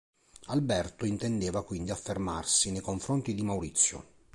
Alberto intendeva quindi affermarsi nei confronti di Maurizio.